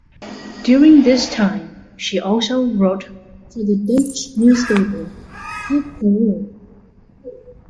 During this time she also wrote for the Dutch newspaper "Het Parool".